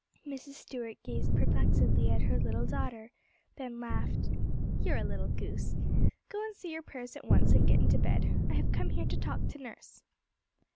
Mrs. Stuart gazed perplexedly at her little daughter, then laughed. 'You are a little goose! Go and say your prayers at once, and get into bed. I have come here to talk to nurse.'